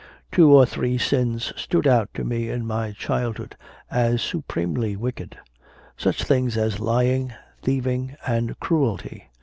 Two or three sins stood out to me in my childhood, as supremely wicked such things as lying, thieving, and cruelty.